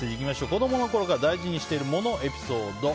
子供の頃から大事にしている物エピソード。